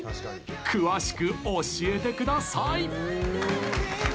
詳しく教えてください！